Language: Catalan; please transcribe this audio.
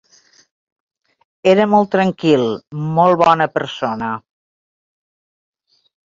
Era molt tranquil, molt bona persona.